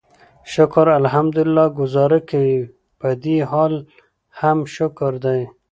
شکر الحمدلله ګوزاره کوي، پدې حال هم شکر دی.